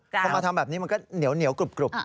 พอมาทำแบบนี้มันก็เหนียวกรุบ